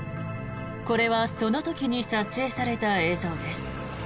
これはその時に撮影された映像です。